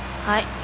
はい。